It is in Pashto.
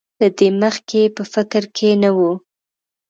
له دې مخکې یې په فکر کې نه وو.